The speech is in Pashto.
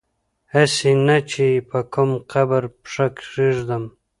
هسي نه چي په کوم قبر پښه کیږدم